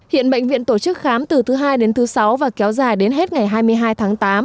hiện bệnh viện tổ chức khám từ thứ hai đến thứ sáu và kéo dài đến hết ngày hai mươi hai tháng tám